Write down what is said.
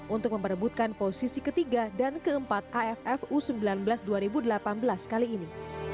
untuk memperebutkan posisi ketiga dan keempat aff u sembilan belas dua ribu delapan belas kali ini